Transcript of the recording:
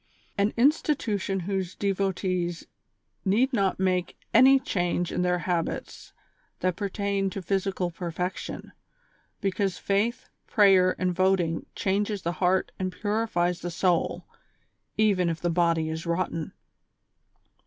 An institution whose devotees need not make any change in their habits that pertain to physical pei fection ; because faith, prayer and voting changes the heart and purifies the soul, even if the body is rotten.